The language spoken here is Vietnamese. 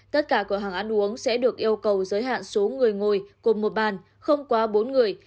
tất cả cửa hàng ăn uống sẽ được yêu cầu giới hạn số người ngồi cùng một bàn không quá bốn người